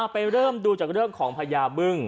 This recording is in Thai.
ไปเริ่มดูจากเรื่องของพญาบึ้ง